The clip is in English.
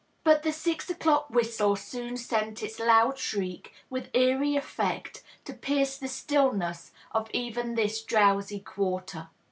But the six o'clock whistle soon sent its loud shriek, with eerie eflect, to pierce the stillness of even this drowsy Quarter.